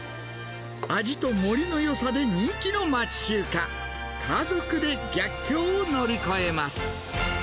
味と盛りのよさで人気の町中華、家族で逆境を乗り越えます。